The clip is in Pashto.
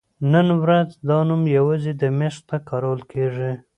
نن ورځ دا نوم یوازې دمشق ته کارول کېږي.